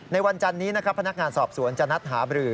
ในวันจานนี้พนักงานสอบสวนจะนัดหาบรือ